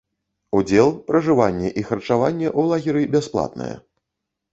Удзел, пражыванне і харчаванне ў лагеры бясплатнае.